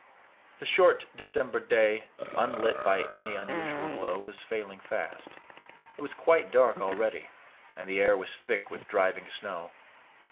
The short December day, unlit by any sunset glow, was failing fast. It was quite dark already, and the air was thick with driving snow.